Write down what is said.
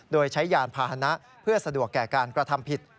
โดยใช้ยานพาหนะเพื่อสะดวกแก่การกระทำผิด